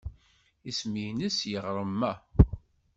Isem-nnes yiɣrem-a?